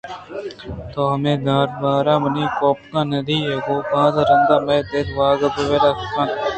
تو ہمے دار ءِ بار ءَ منی کوٛپگ ءَ نہ دئے گوں؟ باز رند ءَ مئیے دل ءِ واہگ پیلہ بنت